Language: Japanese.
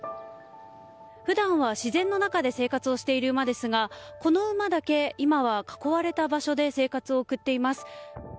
普段は自然の中で生活している馬ですがこの馬だけ、今は囲われた場所で生活を送っています。